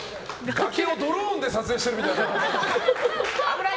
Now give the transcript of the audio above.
崖をドローンで撮影してるみたい。